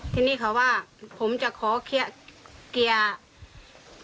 ที่นี่เขาว่าผมจะขอเกียรติแผ่ง